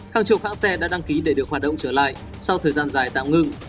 hàng chục hãng xe đã đăng ký để được hoạt động trở lại sau thời gian dài tạm ngừng